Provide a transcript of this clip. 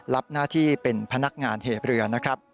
รับหน้าที่เป็นพนักงานเหเรือนะครับ